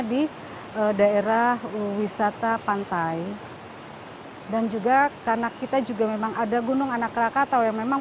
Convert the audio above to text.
di daerah wisata pantai dan juga karena kita juga memang ada gunung anak rakatau yang memang